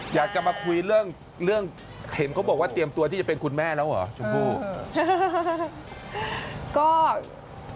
อยากจะมาคุยเรื่องเรื่องเห็นเขาบอกว่าเตรียมตัวที่จะเป็นคุณแม่แล้วเหรอชมพู่